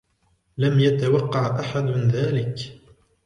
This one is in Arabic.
لم يتوقع أحد ذلك.